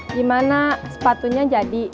gimana sepatunya jadi